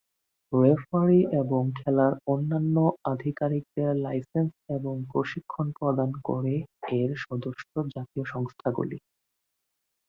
Referee এবং খেলার অন্যান্য আধিকারিকদের লাইসেন্স এবং প্রশিক্ষণ প্রদান করে এর সদস্য জাতীয় সংস্থাগুলি।